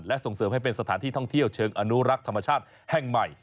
และส่งเสริมให้เป็นสถานที่ท่องเที่ยวเชิงอนุรักษ์ธรรมชาติแห่งใหม่